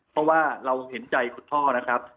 เพราะว่าเราเห็นใจคุณพ่อนะครับ